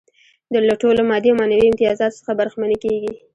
له ټولو مادي او معنوي امتیازاتو څخه برخمنې کيږي.